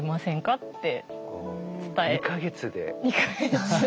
２か月で。